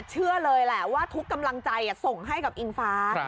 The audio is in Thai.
เชื่อเลยแหละว่าทุกกำลังใจส่งให้กับอิงฟ้า